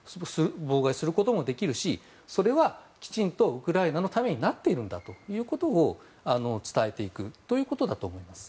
妨害することもできるしそれはきちんとウクライナのためになっているんだということを伝えていくということだと思います。